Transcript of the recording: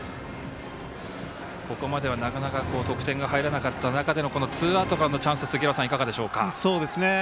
ここまでは、なかなか得点が入らなかった中でのこのツーアウトからのチャンス杉浦さん、いかがでしょうか？